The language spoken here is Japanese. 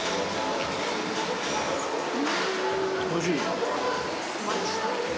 おいしい？